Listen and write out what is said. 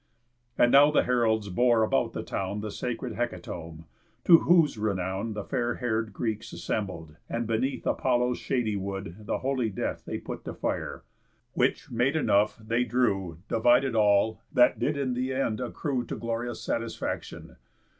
And now the heralds bore about the town The sacred hecatomb; to whose renown The fair hair'd Greeks assembled, and beneath Apollo's shady wood the holy death They put to fire; which, made enough, they drew, Divided all, that did in th' end accrue To glorious satisfaction.